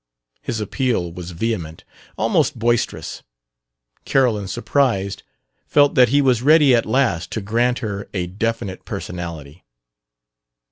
His appeal was vehement, almost boisterous: Carolyn, surprised, felt that he was ready at last to grant her a definite personality.